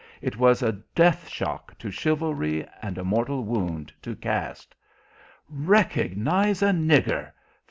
It was a death shock to chivalry and a mortal wound to caste. "Recognize a nigger!